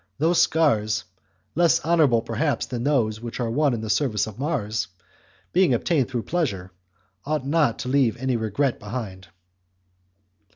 Those scars, less honourable perhaps than those which are won in the service of Mars, being obtained through pleasure, ought not to leave any regret behind.